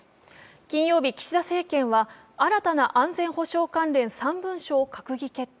金曜日、岸田政権は新たな安全保障関連３文書を閣議決定。